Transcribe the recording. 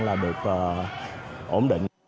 là được ổn định